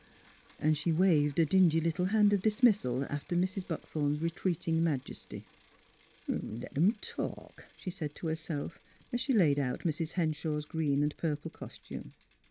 And she waved a dingy little hand of dismissal after Mrs. Buck thorn's retreating majesty. " Let 'em talk," she said to herself, as she laid out Mrs. Henshaw's green and purple costume.